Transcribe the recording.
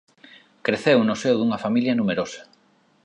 Creceu no seo dunha familia numerosa.